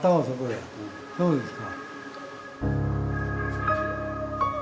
そうですか。